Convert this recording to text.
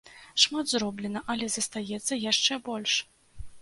Шмат зроблена, але застаецца яшчэ больш!